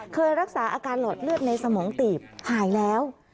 เคยรักษาอาการหลอดเลือดในสมองตีบหายแล้ว